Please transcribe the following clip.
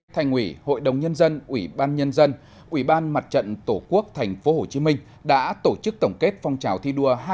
thành ủy hội đồng nhân dân ủy ban nhân dân ủy ban mặt trận tổ quốc tp hcm đã tổ chức tổng kết phong trào thi đua